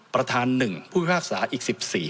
ประธาน๑ผู้พิพากษาอีก๑๔